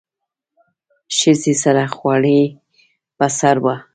ښځې سره خولۍ په سر وه.